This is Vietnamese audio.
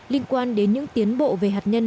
liên quan đến những tiến bộ về hạt nhân